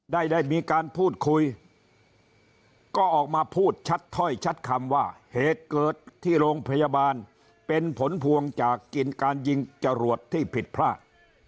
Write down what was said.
ได้ได้มีการพูดคุยก็ออกมาพูดชัดถ้อยชัดคำว่าเหตุเกิดที่โรงพยาบาลเป็นผลพวงจากกินการยิงจรวดที่ผิดพลาด